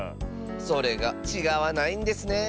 それがちがわないんですね。